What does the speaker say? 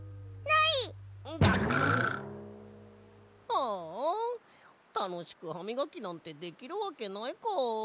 はあたのしくハミガキなんてできるわけないか。